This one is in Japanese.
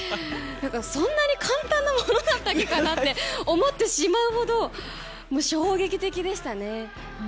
そんなに簡単なものだったかな？って思ってしまうほど衝撃的でしたね。